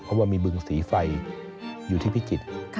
เพราะว่ามีบึงสีไฟอยู่ที่พิจิตร